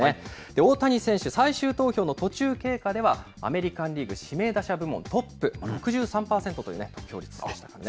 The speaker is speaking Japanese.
大谷選手、最終投票の途中経過では、アメリカンリーグ指名打者部門トップ、６３％という得票率でしたからね。